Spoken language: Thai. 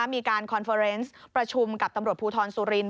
มีการคอนเฟอร์เนสประชุมกับตำรวจภูทรสุรินท